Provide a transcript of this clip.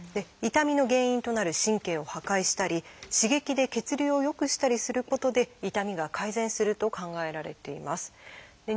痛みの原因となる神経を破壊したり刺激で血流を良くしたりすることで痛みが改善すると考えられています。